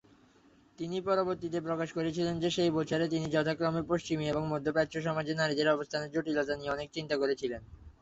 তিনি পরবর্তীতে প্রকাশ করেছিলেন যে সেই বছরে তিনি যথাক্রমে পশ্চিমী এবং মধ্যপ্রাচ্য সমাজে নারীদের অবস্থানের জটিলতা নিয়ে অনেক চিন্তা করেছিলেন।